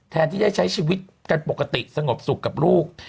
ที่ได้ใช้ชีวิตกันปกติสงบสุขกับลูก